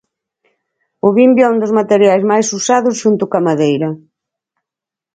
O vimbio é un dos materiais máis usados xunto coa madeira.